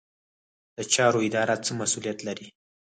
د چارو اداره څه مسوولیت لري؟